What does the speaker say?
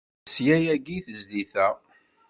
Tesla yagi i tezlit-a.